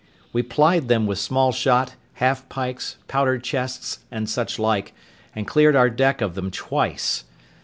We plied them with small shot, half pikes, powder chests, and such like, and cleared our deck of them twice.